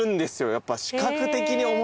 やっぱ。